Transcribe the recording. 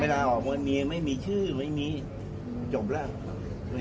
ไม่ราบออกมีไม่มีชื่อไม่มีจบแล้ว